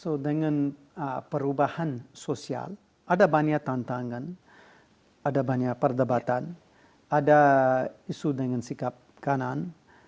jadi dengan perubahan sosial ada banyak tantangan ada banyak perdebatan ada isu dengan sikap kanan